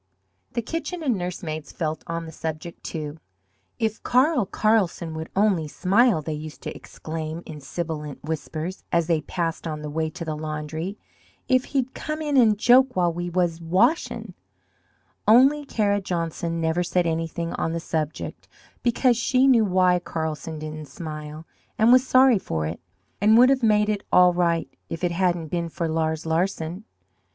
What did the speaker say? The kitchen and nurse maids felt on the subject, too. "If Carl Carlsen would only smile," they used to exclaim in sibilant whispers, as they passed on the way to the laundry. "If he'd come in an' joke while we wus washin'!" Only Kara Johnson never said anything on the subject because she knew why Carlsen didn't smile, and was sorry for it, and would have made it all right if it hadn't been for Lars Larsen.